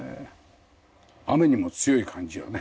雨にも強い感じよね。